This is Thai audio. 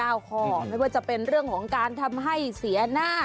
ข้อไม่ว่าจะเป็นเรื่องของการทำให้เสียหน้า